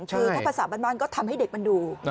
คือถ้าภาษาบ้านก็ทำให้เด็กมันดู